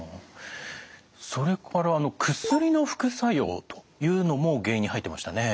それから薬の副作用というのも原因に入ってましたね。